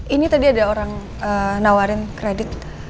ini tadi ada orang nawarin kredit